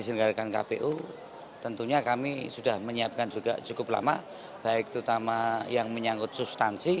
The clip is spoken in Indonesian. diselenggarakan kpu tentunya kami sudah menyiapkan juga cukup lama baik terutama yang menyangkut substansi